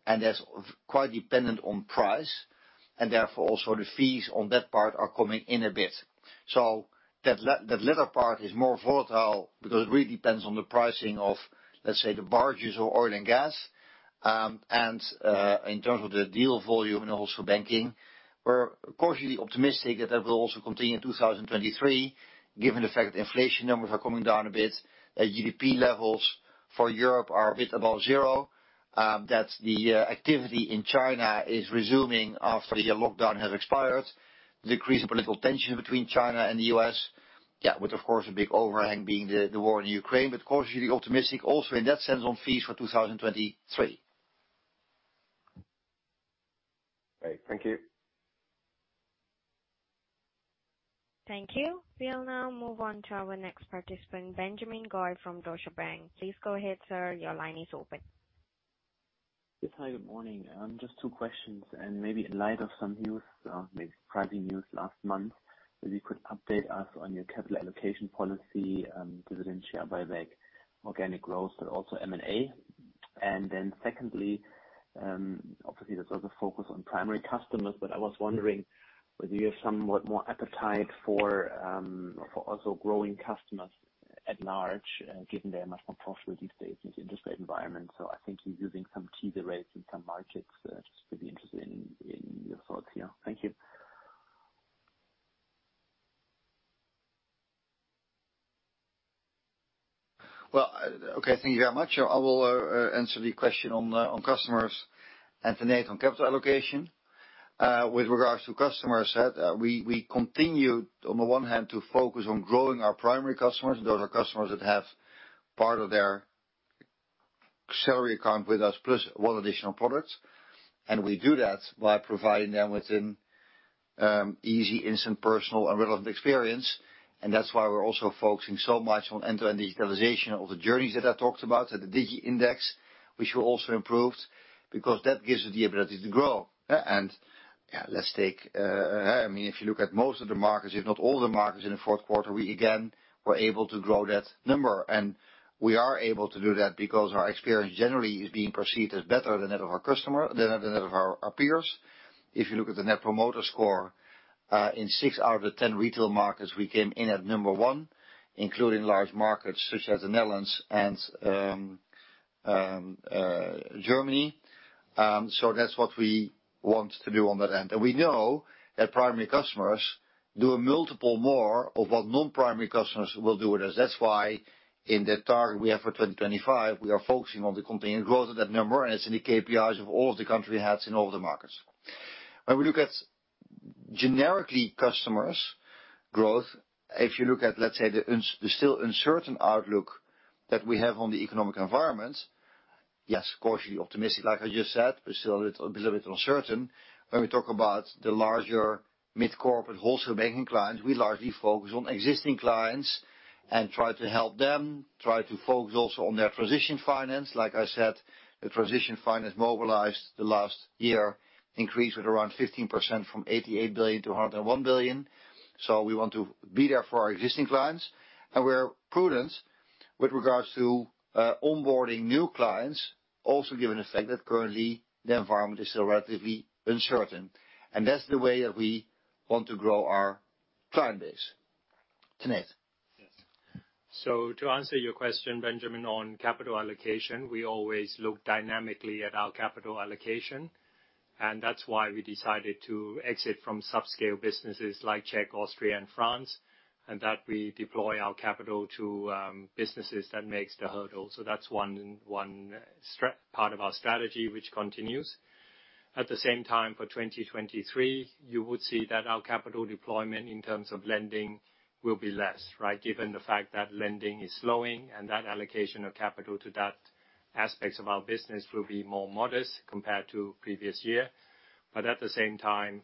That's quite dependent on price. Therefore also the fees on that part are coming in a bit. So that latter part is more volatile because it really depends on the pricing of, let's say, the barges of oil and gas. In terms of the deal volume in the Wholesale Banking, we're cautiously optimistic that that will also continue in 2023, given the fact that inflation numbers are coming down a bit, that GDP levels for Europe are a bit above 0, that the activity in China is resuming after the lockdown has expired. The decrease in political tension between China and the U.S., yeah, with, of course, a big overhang being the war in Ukraine. Cautiously optimistic also in that sense on fees for 2023. Great. Thank you. Thank you. We'll now move on to our next participant, Benjamin Goy from Deutsche Bank. Please go ahead, sir. Your line is open. Yes. Hi, good morning. Just two questions, and maybe in light of some news, maybe surprising news last month, maybe you could update us on your capital allocation policy, dividend share buyback, organic growth, but also M&A. Secondly, obviously there's also focus on primary customers, but I was wondering whether you have somewhat more appetite for also growing customers at large, given they are much more profitable these days in this interest rate environment. I think you're using some teaser rates in some markets. Just pretty interested in your thoughts here. Thank you. Well, okay, thank you very much. I will answer the question on customers and for Tanate on capital allocation. With regards to customers, we continue on the one hand to focus on growing our primary customers. Those are customers that have part of their salary account with us, plus one additional product. We do that by providing them with an easy, instant, personal and relevant experience. That's why we're also focusing so much on end-to-end digitalization of the journeys that I talked about, so the Digi Index, which we also improved, because that gives us the ability to grow. Yeah, let's take, I mean, if you look at most of the markets, if not all the markets in the fourth quarter, we again were able to grow that number. We are able to do that because our experience generally is being perceived as better than that of our customer than that of our peers. If you look at the Net Promoter Score, in 6 out of the 10 retail markets, we came in at number 1, including large markets such as the Netherlands and Germany. That's what we want to do on that end. We know that primary customers do a multiple more of what non-primary customers will do with us. That's why in that target we have for 2025, we are focusing on the continuing growth of that number, and it's in the KPIs of all of the country hats in all of the markets. When we look at generically customers' growth, if you look at, let's say, the still uncertain outlook that we have on the economic environment, yes, cautiously optimistic, like I just said, but still a little bit uncertain. When we talk about the larger mid-corporate Wholesale Banking clients, we largely focus on existing clients and try to help them, try to focus also on their transition finance. Like I said, the transition finance mobilized the last year increased with around 15% from 88 billion to 101 billion. We want to be there for our existing clients, and we're prudent with regards to onboarding new clients also given the fact that currently the environment is still relatively uncertain. That's the way that we want to grow our client base. Nate? Yes. To answer your question, Benjamin, on capital allocation, we always look dynamically at our capital allocation, and that's why we decided to exit from subscale businesses like Czech, Austria and France, and that we deploy our capital to businesses that makes the hurdle. That's one part of our strategy which continues. At the same time, for 2023, you would see that our capital deployment in terms of lending will be less, right? Given the fact that lending is slowing and that allocation of capital to that aspects of our business will be more modest compared to previous year. At the same time,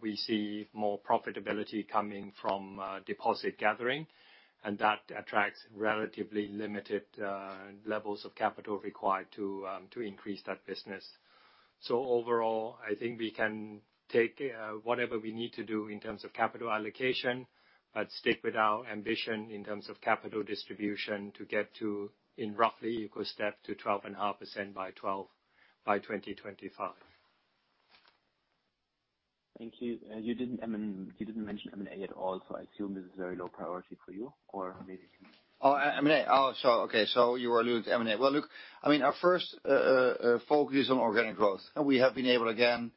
we see more profitability coming from deposit gathering, and that attracts relatively limited levels of capital required to increase that business. overall, I think we can take whatever we need to do in terms of capital allocation, but stick with our ambition in terms of capital distribution to get to, in roughly equal step, to 12.5% by 2025. Thank you. You didn't mention M&A at all. I assume this is very low priority for you? M&A. So, okay, so you allude to M&A. Well, look, I mean, our first focus is on organic growth. We have been able again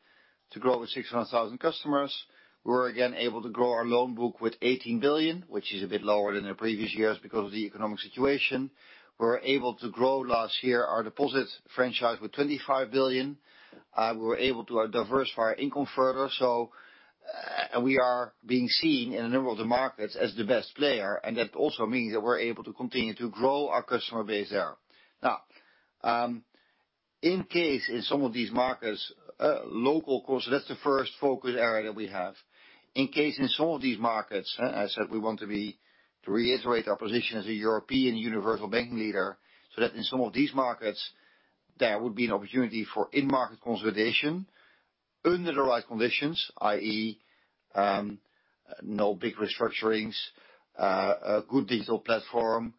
to grow with 600,000 customers. We're again able to grow our loan book with 18 billion, which is a bit lower than the previous years because of the economic situation. We were able to grow last year our deposits franchise with 25 billion. We were able to diversify our income further. We are being seen in a number of the markets as the best player. That also means that we're able to continue to grow our customer base there. Now, in case in some of these markets, local costs, that's the first focus area that we have. In case in some of these markets, as said, we want to reiterate our position as a European universal banking leader, so that in some of these markets, there would be an opportunity for in-market consolidation under the right conditions, i.e., no big restructurings, a good digital platform.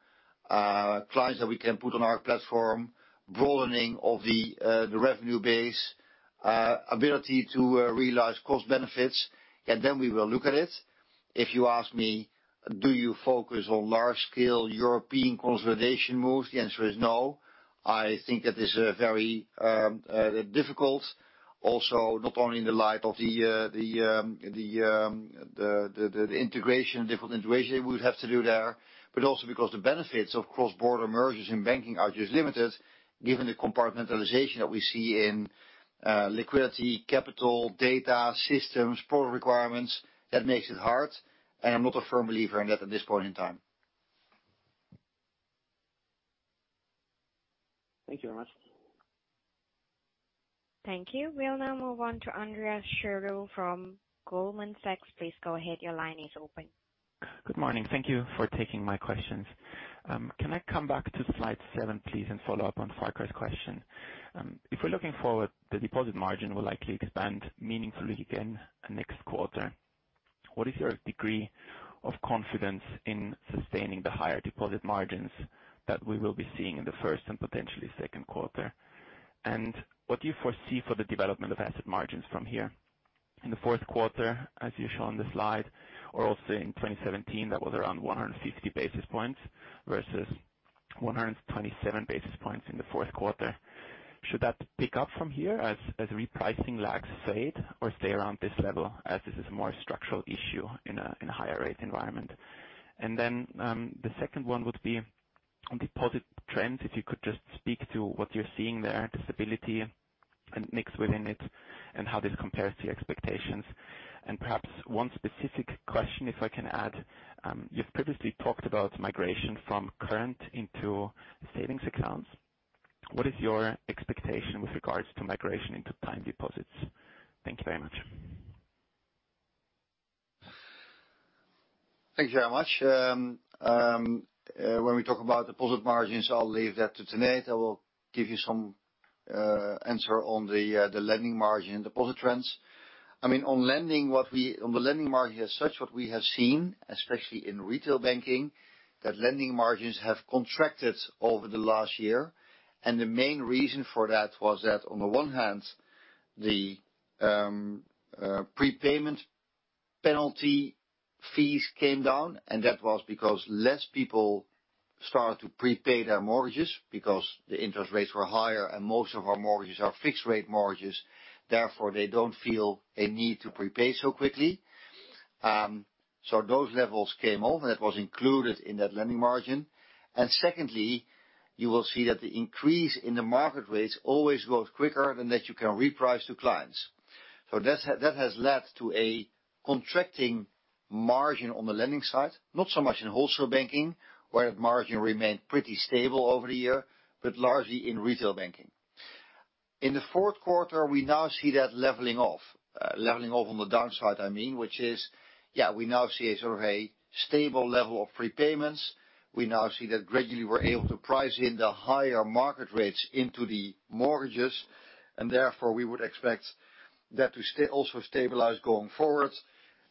Clients that we can put on our platform, broadening of the revenue base, ability to realize cost benefits, and then we will look at it. If you ask me, do you focus on large scale European consolidation moves, the answer is no. I think that is very difficult. Not only in the light of the integration, different integration we would have to do there, but also because the benefits of cross-border mergers in banking are just limited given the compartmentalization that we see in liquidity, capital, data, systems, product requirements, that makes it hard, and I'm not a firm believer in that at this point in time. Thank you very much. Thank you. We'll now move on to Andrea Scherl from Goldman Sachs. Please go ahead. Your line is open. Good morning. Thank you for taking my questions. Can I come back to slide 7, please, and follow up on Farquhar's question? If we're looking forward, the deposit margin will likely expand meaningfully again next quarter. What is your degree of confidence in sustaining the higher deposit margins that we will be seeing in the first and potentially second quarter? What do you foresee for the development of asset margins from here? In the fourth quarter, as you show on the slide, or also in 2017, that was around 160 basis points versus 127 basis points in the fourth quarter. Should that pick up from here as repricing lags fade or stay around this level as this is a more structural issue in a higher rate environment? Then, the second one would be on deposit trends, if you could just speak to what you're seeing there, disability and mix within it, and how this compares to your expectations. Perhaps one specific question if I can add. You've previously talked about migration from current into savings accounts. What is your expectation with regards to migration into time deposits? Thank you very much. Thank you very much. When we talk about deposit margins, I'll leave that to Tanate, I will give you some answer on the lending margin and deposit trends. I mean, on lending, on the lending margin as such, what we have seen, especially in retail banking, that lending margins have contracted over the last year. The main reason for that was that on the one hand, the prepayment penalty fees came down, and that was because less people started to prepay their mortgages because the interest rates were higher, and most of our mortgages are fixed rate mortgages, therefore, they don't feel a need to prepay so quickly. Those levels came over. That was included in that lending margin. Secondly, you will see that the increase in the market rates always grows quicker than that you can reprice to clients. That has led to a contracting margin on the lending side, not so much in Wholesale Banking, where the margin remained pretty stable over the year, but largely in retail banking. In the fourth quarter, we now see that leveling off. Leveling off on the downside, I mean, which is, we now see a sort of a stable level of prepayments. We now see that gradually we're able to price in the higher market rates into the mortgages, and therefore, we would expect that to also stabilize going forward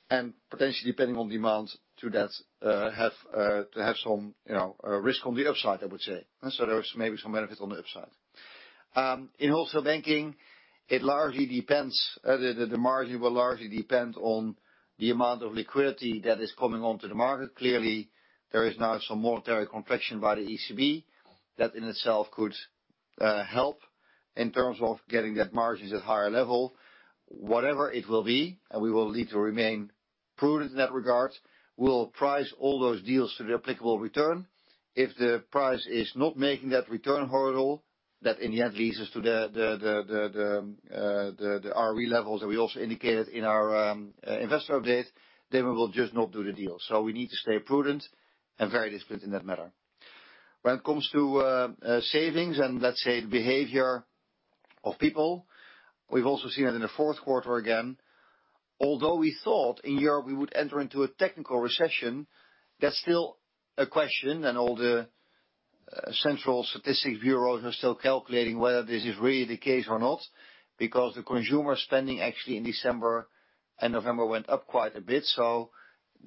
and potentially, depending on demand to that, have, to have some, you know, risk on the upside, I would say. There's maybe some benefit on the upside. In Wholesale Banking, it largely depends, the margin will largely depend on the amount of liquidity that is coming onto the market. Clearly, there is now some monetary complexion by the ECB that in itself could help in terms of getting that margins at higher level. Whatever it will be, and we will need to remain prudent in that regard, we'll price all those deals to the applicable return. If the price is not making that return hurdle, that in the end leads us to the ROE levels that we also indicated in our investor update, then we will just not do the deal. We need to stay prudent and very disciplined in that matter. When it comes to savings and let's say the behavior of people, we've also seen that in the fourth quarter again, although we thought in Europe we would enter into a technical recession, that's still a question, and all the central statistic bureaus are still calculating whether this is really the case or not, because the consumer spending actually in December and November went up quite a bit.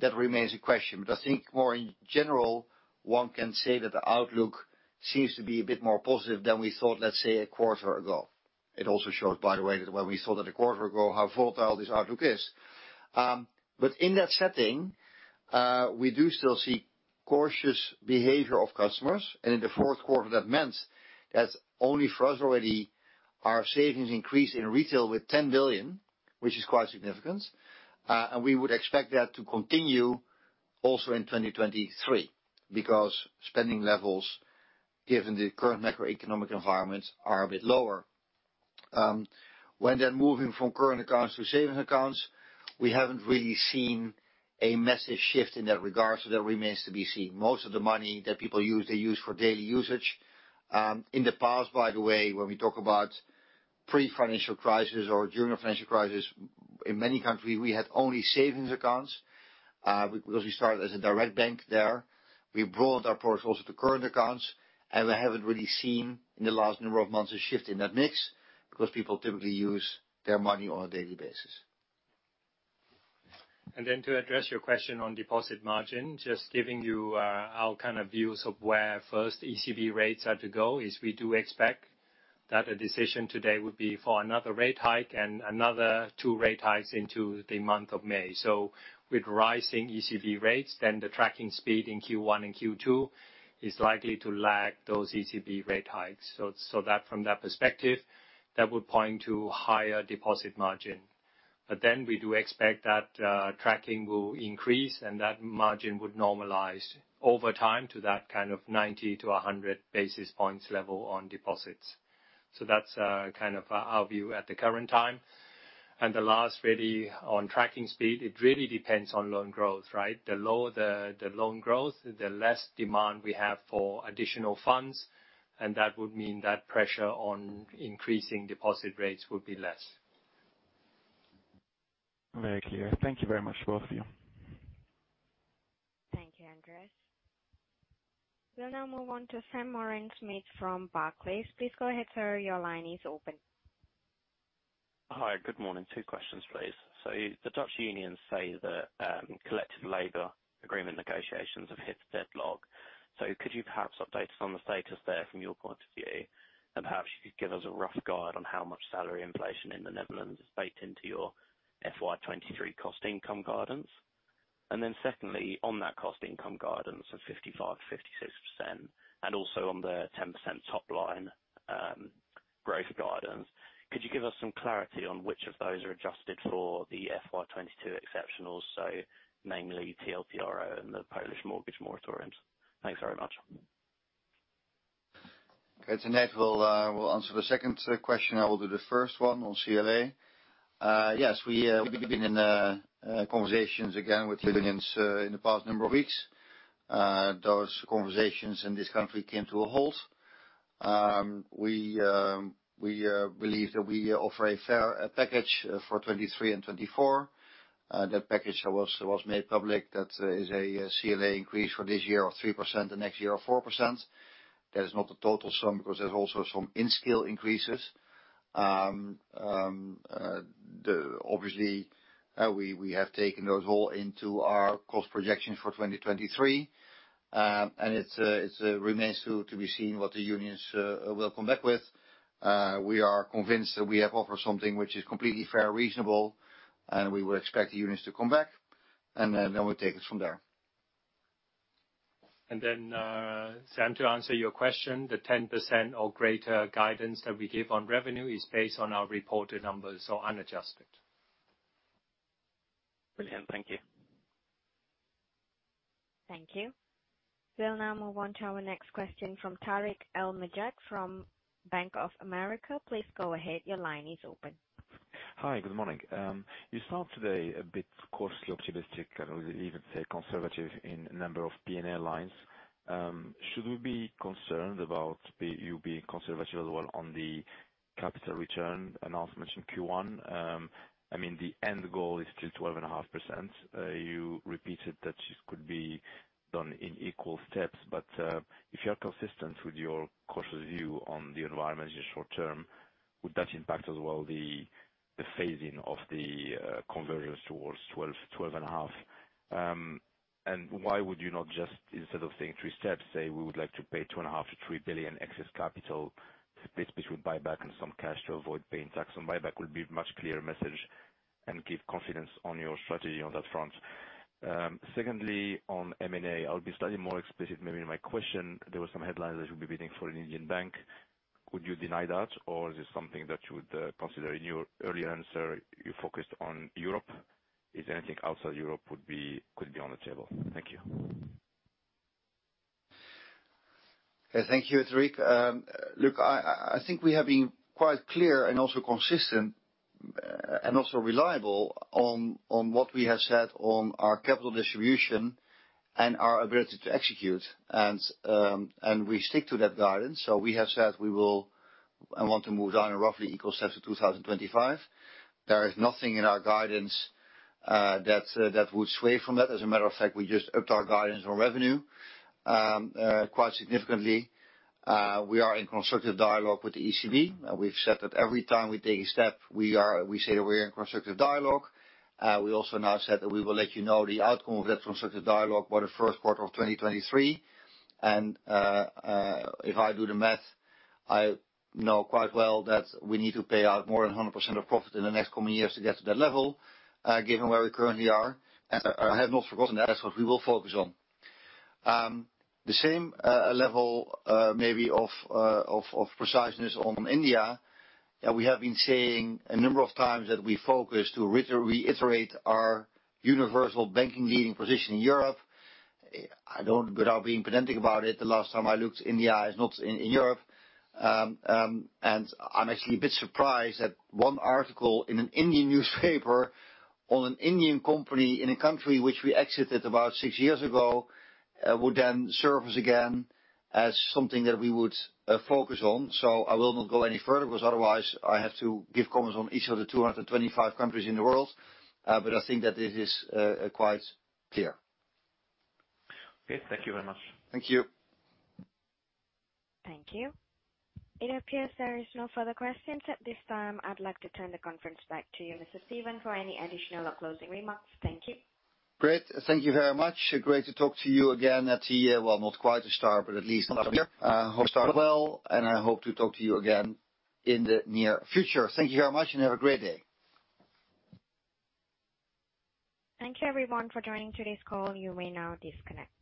That remains a question. I think more in general, one can say that the outlook seems to be a bit more positive than we thought, let's say, a quarter ago. It also shows, by the way, when we saw that a quarter ago, how volatile this outlook is. In that setting, we do still see cautious behavior of customers. In the fourth quarter, that meant that only for us already, our savings increased in retail with 10 billion, which is quite significant. We would expect that to continue also in 2023 because spending levels, given the current macroeconomic environments, are a bit lower. When they're moving from current accounts to savings accounts, we haven't really seen a massive shift in that regard, so that remains to be seen. Most of the money that people use, they use for daily usage. In the past, by the way, when we talk about pre-financial crisis or during a financial crisis, in many countries, we had only savings accounts, because we started as a direct bank there. We brought our portfolios to current accounts, and we haven't really seen in the last number of months a shift in that mix because people typically use their money on a daily basis. To address your question on deposit margin, just giving you, our kind of views of where first ECB rates are to go, is we do expect that a decision today would be for another rate hike and another 2 rate hikes into the month of May. With rising ECB rates, then the tracking speed in Q1 and Q2 is likely to lag those ECB rate hikes. That from that perspective, that would point to higher deposit margin. We do expect that tracking will increase and that margin would normalize over time to that kind of 90 to 100 basis points level on deposits. That's, kind of our view at the current time. The last really on tracking speed, it really depends on loan growth, right? The lower the loan growth, the less demand we have for additional funds. That would mean that pressure on increasing deposit rates would be less. Very clear. Thank you very much, both of you. Thank you, Andrea. We'll now move on to Sam from Barclays. Please go ahead, sir. Your line is open. Hi. Good morning. 2 questions, please. The Dutch unions say that collective labor agreement negotiations have hit deadlock. Could you perhaps update us on the status there from your point of view? Perhaps you could give us a rough guide on how much salary inflation in the Netherlands is baked into your FY 2023 cost income guidance. Secondly, on that cost income guidance of 55%-56%, and also on the 10% top line growth guidance, could you give us some clarity on which of those are adjusted for the FY 2022 exceptionals, namely TLTRO and the Polish mortgage moratoriums? Thanks very much. Tanate will answer the second question. I will do the first one on CLA. Yes, we've been in conversations again with unions in the past number of weeks. Those conversations in this country came to a halt. We believe that we offer a fair package for 2023 and 2024. That package was made public. That is a CLA increase for this year of 3%, the next year of 4%. That is not the total sum because there's also some in-skill increases. Obviously, we have taken those all into our cost projections for 2023. It remains to be seen what the unions will come back with. We are convinced that we have offered something which is completely fair, reasonable, and we would expect the unions to come back, and then we'll take it from there. Sam, to answer your question, the 10% or greater guidance that we give on revenue is based on our reported numbers, so unadjusted. Brilliant. Thank you. Thank you. We'll now move on to our next question from Tarik El Mejjad from Bank of America. Please go ahead. Your line is open. Hi. Good morning. You sound today a bit cautiously optimistic, I would even say conservative, in a number of P&L lines. Should we be concerned about you being conservative as well on the capital return announcement in Q1? I mean, the end goal is still 12.5%. You repeated that it could be done in equal steps. If you are consistent with your cautious view on the environment in the short term, would that impact as well the phasing of the convergence towards 12.5? Why would you not just instead of saying three steps, say we would like to pay two and a half billion to 3 billion excess capital. The space between buyback and some cash to avoid paying tax on buyback would be much clearer message and give confidence on your strategy on that front. Secondly, on M&A, I'll be slightly more explicit maybe in my question. There were some headlines that you'll be bidding for an Indian bank. Could you deny that or is this something that you would consider? In your earlier answer, you focused on Europe. Is anything outside Europe would be, could be on the table? Thank you. Okay. Thank you, Tarik. Look, I think we have been quite clear and also consistent, and also reliable on what we have said on our capital distribution and our ability to execute. We stick to that guidance. We have said we will and want to move down in roughly equal steps to 2025. There is nothing in our guidance that would sway from that. As a matter of fact, we just upped our guidance on revenue quite significantly. We are in constructive dialogue with the ECB. We've said that every time we take a step, we say that we're in constructive dialogue. We also now said that we will let you know the outcome of that constructive dialogue by the first quarter of 2023. If I do the math, I know quite well that we need to pay out more than 100% of profit in the next coming years to get to that level, given where we currently are. I have not forgotten that. That's what we will focus on. The same level maybe of preciseness on India, we have been saying a number of times that we focus to reiterate our universal banking leading position in Europe. I don't, without being pedantic about it, the last time I looked, India is not in Europe. I'm actually a bit surprised that one article in an Indian newspaper on an Indian company in a country which we exited about 6 years ago, would then serve as again as something that we would focus on. I will not go any further because otherwise I have to give comments on each of the 225 countries in the world. I think that it is quite clear. Okay. Thank you very much. Thank you. Thank you. It appears there is no further questions at this time. I'd like to turn the conference back to you, Mr. Steven, for any additional or closing remarks. Thank you. Great. Thank you very much. Great to talk to you again at the, well, not quite the start, but at least hope started well. I hope to talk to you again in the near future. Thank you very much. Have a great day. Thank you everyone for joining today's call. You may now disconnect.